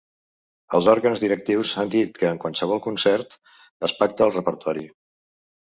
Els òrgans directius han dit que en qualsevol concert es pacta el repertori.